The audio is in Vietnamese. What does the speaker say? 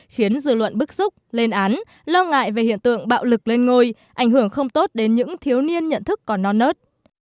khiến dư luận bức xúc lên án lo ngại về hiện tượng bạo lực lên ngôi ảnh hưởng không tốt đến những thiếu niên nhận thức còn non nớt